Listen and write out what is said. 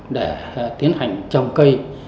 để tiến hành trồng cây